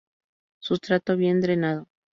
Sustrato bien drenado.